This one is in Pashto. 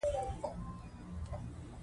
پښتو کلتور مو ژوندی پاتې شي.